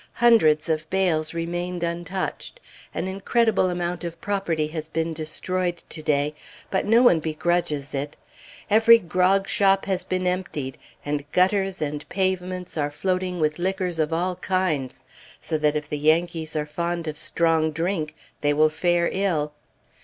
Hundreds of bales remained untouched. An incredible amount of property has been destroyed to day; but no one begrudges it. Every grog shop has been emptied, and gutters and pavements are floating with liquors of all kinds. So that if the Yankees are fond of strong drink, they will fare ill.